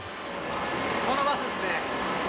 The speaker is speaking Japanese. このバスですね。